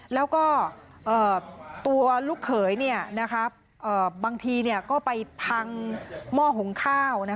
แล้วก็ตัวลูกเขยบางทีก็ไปพังหม้อหุงข้าว